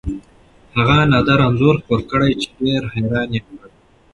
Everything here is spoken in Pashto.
هغه نادره انځور خپور کړ چې ډېر حیران یې کړل.